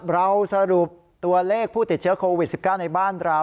เราสรุปตัวเลขผู้ติดเชื้อโควิด๑๙ในบ้านเรา